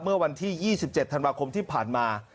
เมื่อวันที่๒๗ธันวาคมที่ผ่านมา